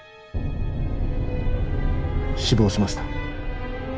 死亡しました。